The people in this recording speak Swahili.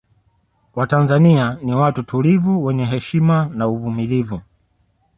Watanzania ni watu tulivu wenye heshima na uvumulivu